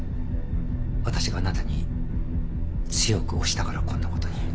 私があなたに強く推したからこんなことに。